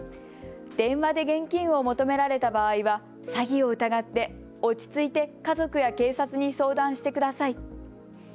電話で現金を求められた場合は詐欺を疑って、落ち着いて家族や警察に相談してください。